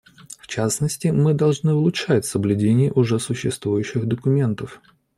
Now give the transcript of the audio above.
В частности, мы должны улучшать соблюдение уже существующих документов.